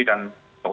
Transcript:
dan menteri jokowi